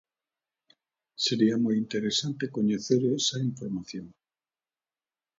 Sería moi interesante coñecer esa información.